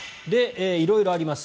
色々あります。